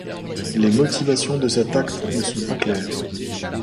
Les motivations de cet acte ne sont pas claires.